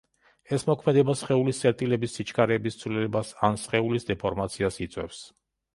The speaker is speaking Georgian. ეს მოქმედება სხეულის წერტილების სიჩქარეების ცვლილებას ან სხეულის დეფორმაციას იწვევს.